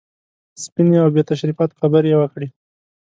سپینې او بې تشریفاتو خبرې یې وکړې.